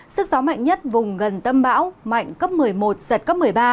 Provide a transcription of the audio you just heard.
sức gió mạnh nhất vùng gần tâm bão mạnh cấp một mươi một giật cấp một mươi ba